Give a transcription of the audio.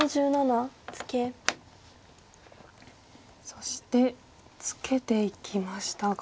そしてツケていきましたが。